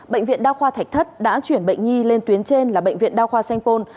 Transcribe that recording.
bệnh viện đa khoa thạch thất đã chuyển bệnh nhi lên tuyến trên là bệnh viện đao khoa sanh pôn